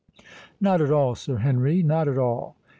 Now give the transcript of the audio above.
"Not at all, Sir Henry, not at all.